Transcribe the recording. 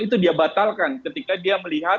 itu dia batalkan ketika dia melihat